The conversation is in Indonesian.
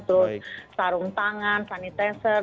terus sarung tangan sanitizer